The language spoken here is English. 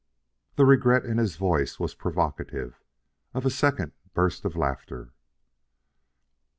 The regret in his voice was provocative of a second burst of laughter.